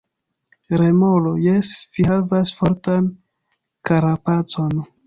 Remoro: "Jes, vi havas fortan karapacon."